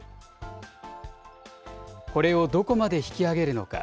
これをどこまで引き上げるのか。